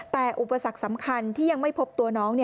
แต่อุปสรรคสำคัญที่ยังไม่พบตัวน้อง